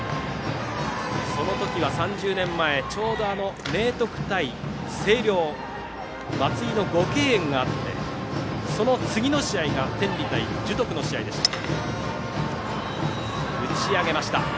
その時は３０年前ちょうど明徳対星稜松井の５敬遠があってその次の試合が天理対樹徳の試合でした。